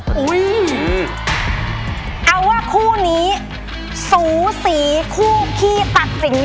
เอาว่าคู่นี้สูสีคู่ขี้ตัดสิงยักษ์